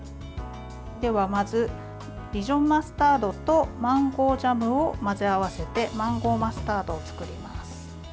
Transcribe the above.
では、まずディジョンマスタードとマンゴージャムを混ぜ合わせてマンゴーマスタードを作ります。